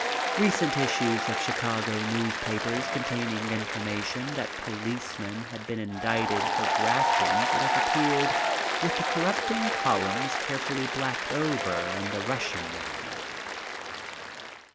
Recent issues of Chicago newspapers containing information that policemen had been indicted for grafting would have appeared with the corrupting columns carefully blacked over in the Russian manner.